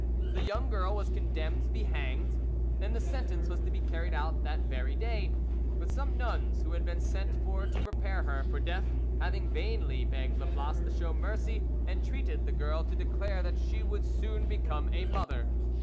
The young girl was condemned to be hanged; and the sentence was to be carried out that very day, but some nuns who had been sent for to prepare her for death, having vainly begged Laplace to show mercy, entreated the girl to declare that she would soon become a mother.